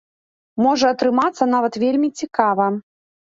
Можа атрымацца нават вельмі цікава.